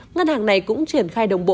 ngân hàng này cũng triển khai đồng bộ